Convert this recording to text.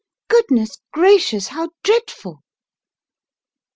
Goodness gracious, how dreadful!"